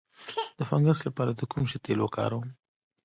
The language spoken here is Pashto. د فنګس لپاره د کوم شي تېل وکاروم؟